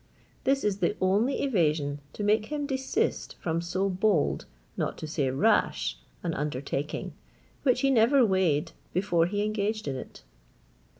This is the only evasion to make him desist from so bold, not to say rash, an undertaking, which he never weighed before he engaged in it."